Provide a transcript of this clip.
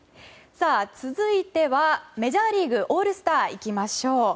続いてはメジャーリーグオールスターいきましょう。